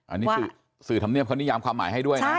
อันนี้คือสื่อธรรมเนียบเขานิยามความหมายให้ด้วยนะ